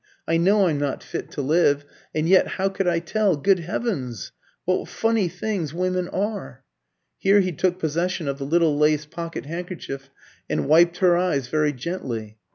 I know I'm not fit to live! And yet, how could I tell? Good heavens! what funny things women are?" Here he took possession of the little lace pocket handkerchief, and wiped her eyes very gently.